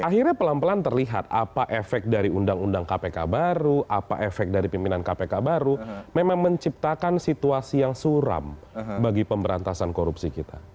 akhirnya pelan pelan terlihat apa efek dari undang undang kpk baru apa efek dari pimpinan kpk baru memang menciptakan situasi yang suram bagi pemberantasan korupsi kita